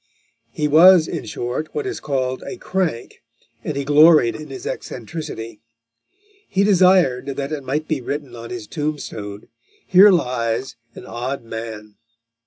He was, in short, what is called a "crank," and he gloried in his eccentricity. He desired that it might be written on his tombstone, "Here lies an Odd Man."